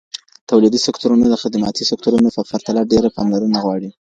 توليدي سکتورونه د خدماتي سکتورونو په پرتله ډيره پاملرنه غواړي.